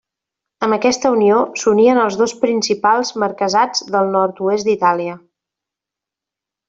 Amb aquesta unió s'unien els dos principals marquesats del nord-oest d'Itàlia.